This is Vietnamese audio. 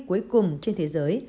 cuối cùng trên thế giới